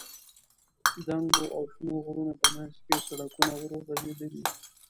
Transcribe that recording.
دنګو او شنو غرونو په منځ کې سړکونه ورغځېدلي.